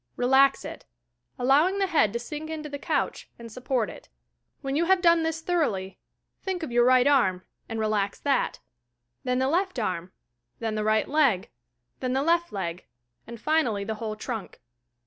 Relax it — allowing the head to sink into the couch and support it. When you have done this thoroughly, think of your right arm, and relax that; then the left arm, then the right leg, then the left leg, and finally the whole trunk.